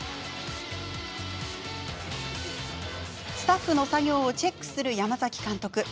スタッフの作業をチェックする山崎監督。